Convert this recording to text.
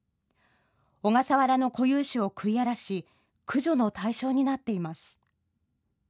小笠原の固有種を食い荒らし駆除の対象になっています。